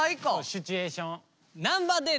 シチュエーション。